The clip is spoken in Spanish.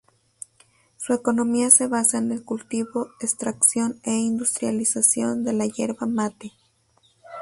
Su economía se basa en el cultivo, extracción e industrialización de la Yerba Mate.